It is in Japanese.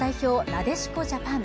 ・なでしこジャパン。